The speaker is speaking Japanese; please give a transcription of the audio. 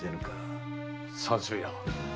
三州屋。